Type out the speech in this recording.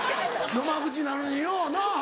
野間口なのによなぁ。